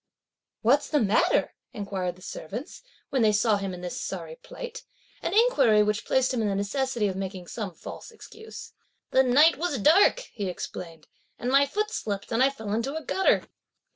"What's the matter?" inquired the servants, when they saw him in this sorry plight; (an inquiry) which placed him in the necessity of making some false excuse. "The night was dark," he explained, "and my foot slipped and I fell into a gutter."